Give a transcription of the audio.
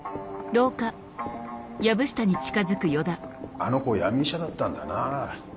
・あの子闇医者だったんだな。